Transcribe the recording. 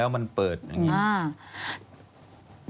มันเปิดค่ะ